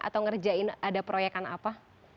atau ngerjain ada proyekan apa